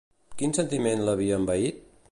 Quin sentiment l'havia envaït?